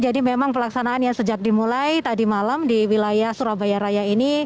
jadi memang pelaksanaan yang sejak dimulai tadi malam di wilayah surabaya raya ini